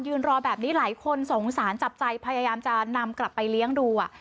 รอแบบนี้หลายคนสงสารจับใจพยายามจะนำกลับไปเลี้ยงดู